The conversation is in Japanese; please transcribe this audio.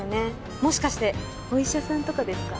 もしかしてお医者さんとかですか？